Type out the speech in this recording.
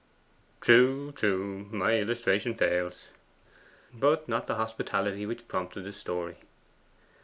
'True, true; my illustration fails.' 'But not the hospitality which prompted the story.